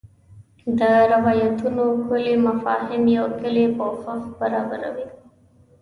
د روایتونو کُلي مفاهیم یو کُلي پوښښ برابروي.